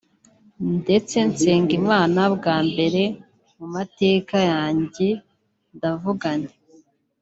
ndetse nsenga Imana bwa mbere mu mateka yanjye ndavuga nti